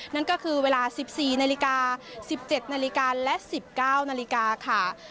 นั่นก็คือเวลา๑๔นาฬิกา๑๗นาฬิกาและ๑๙นาฬิกาค่ะ